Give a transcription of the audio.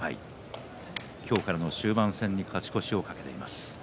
今日からの終盤戦に勝ち越しを懸けます。